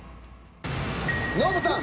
ノブさん！